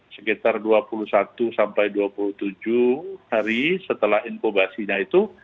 sekitar dua puluh satu sampai dua puluh tujuh hari setelah inkubasinya itu